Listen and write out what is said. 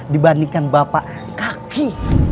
dibandingkan bapak kaki